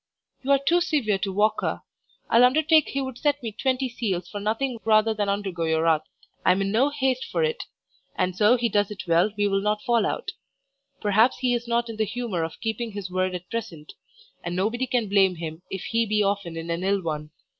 You are too severe to Walker. I'll undertake he would set me twenty seals for nothing rather than undergo your wrath. I am in no haste for it, and so he does it well we will not fall out; perhaps he is not in the humour of keeping his word at present, and nobody can blame him if he be often in an ill one.